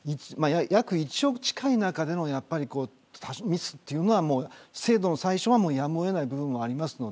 １億近い中でのミスというのは制度の最初はやむを得ない部分があります。